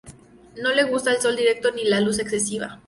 No le gusta el sol directo ni la luz excesiva.